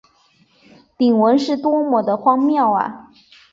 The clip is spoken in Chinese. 鼎文是多么地荒谬啊！